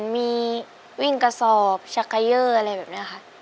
มีวิ่งกระสอบชักเกยอร์อะไรแบบนี้ค่ะ